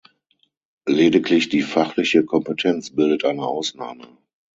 Lediglich die fachliche Kompetenz bildet eine Ausnahme.